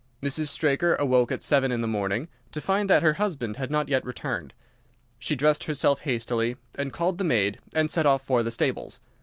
"Mrs. Straker awoke at seven in the morning, to find that her husband had not yet returned. She dressed herself hastily, called the maid, and set off for the stables.